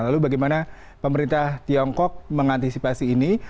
lalu bagaimana pemerintah tiongkok mengantisipasi ini